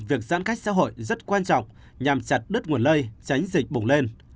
việc giãn cách xã hội rất quan trọng nhằm chặt đứt nguồn lây tránh dịch bùng lên